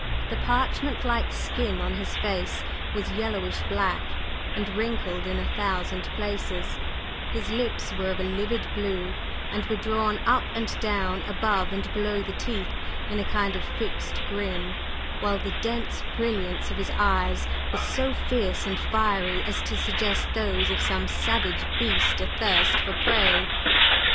The parchment like skin on his face was yellowish black, and wrinkled in a thousand places; his lips were of a livid blue, and were drawn up and down above and below the teeth in a kind of fixed grin, while the dense brilliance of his eyes was so fierce and fiery as to suggest those of some savage beast athirst for prey.